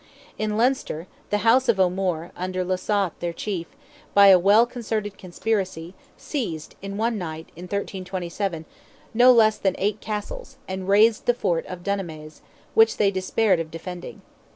In Leinster, the house of O'Moore, under Lysaght their Chief, by a well concerted conspiracy, seized in one night (in 1327) no less than eight castles, and razed the fort of Dunamase, which they despaired of defending.